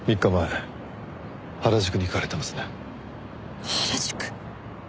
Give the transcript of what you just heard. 原宿？